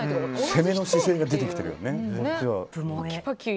攻めの姿勢が出てきているね。